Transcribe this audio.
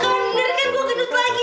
kander kan gue genut lagi